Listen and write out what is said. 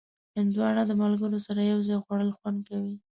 هندوانه د ملګرو سره یو ځای خوړل خوند لري.